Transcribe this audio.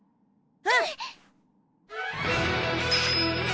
うん！